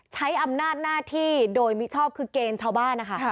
ใช้อำนาจหน้าที่โดยมิชอบคือเกณฑ์ชาวบ้านนะคะ